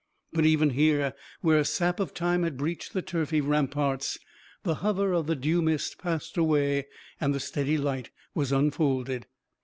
But even here, where sap of time had breached the turfy ramparts, the hover of the dew mist passed away, and the steady light was unfolded.